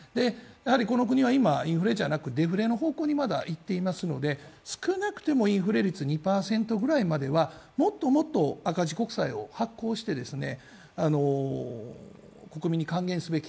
この国は今、インフレはなくデフレの方向にいっていますので少なくともインフレ率２％ぐらいまではもっともっと赤字国債を発行して国民に還元すべき。